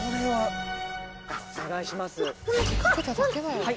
はい。